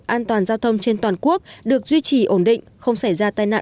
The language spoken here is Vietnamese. an toàn giao thông trên toàn quốc được duy trì ổn định không xảy ra tai nạn